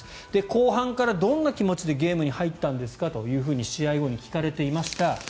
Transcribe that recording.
後半からどんな気持ちでゲームに入ったんですかと試合後に聞かれていました。